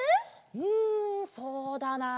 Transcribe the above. うんそうだなあ。